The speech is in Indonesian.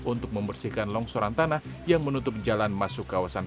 untuk membersihkan longsoran tanah yang menutup jalan masuk kawasan